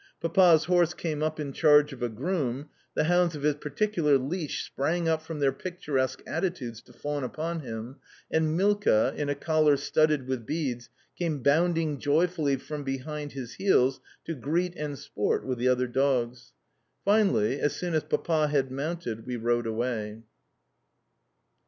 Papa's horse came up in charge of a groom, the hounds of his particular leash sprang up from their picturesque attitudes to fawn upon him, and Milka, in a collar studded with beads, came bounding joyfully from behind his heels to greet and sport with the other dogs. Finally, as soon as Papa had mounted we rode away.